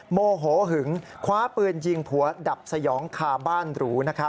โมโหหึงคว้าปืนยิงผัวดับสยองคาบ้านหรู